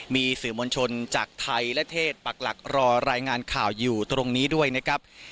มีสื่อมวลชนจากไทยและเทศปักหลักรอรายงานข่าวอยู่ตรงนี้ด้วยนะครับ